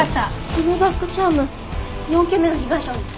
このバッグチャーム４件目の被害者の。